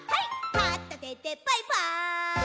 「かったてでバイバーイ！！」